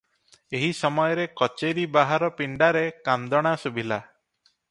ଏହି ସମୟରେ କଚେରୀ ବାହାର ପିଣ୍ଡାରେ କାନ୍ଦଣା ଶୁଭିଲା ।